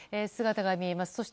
姿が見えます。